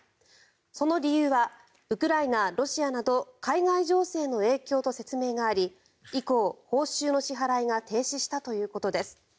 その理由はウクライナ、ロシアなど海外情勢の影響と説明があり以降、報酬の支払いが停止したということです。